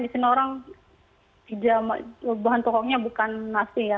di sini orang bahan pokoknya bukan nasi ya